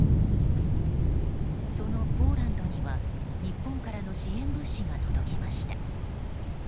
そのポーランドには日本からの支援物資が届きました。